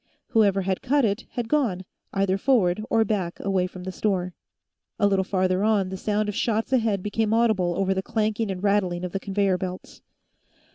Whoever had cut it had gone, either forward or back away from the store. A little farther on, the sound of shots ahead became audible over the clanking and rattling of the conveyor belts.